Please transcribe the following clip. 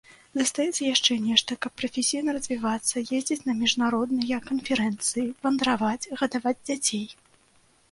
Застаецца яшчэ нешта, каб прафесійна развівацца, ездзіць на міжнародныя канферэнцыі, вандраваць, гадаваць дзяцей.